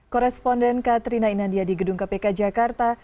koresponden katrina inandia di gedung kpk jakarta